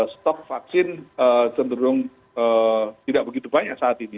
stok vaksin cenderung tidak begitu banyak saat ini